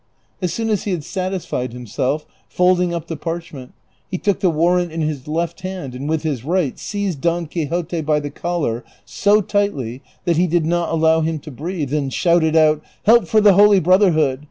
As soon as he had satisfied himself, folding wp the parchment, he took the warrant in his left hand and with his right seized L^on Quixote by the collar so tightl}' that he did not allow hini to breathe, and shouted aloud, ^' Help for the Holy Brotherhood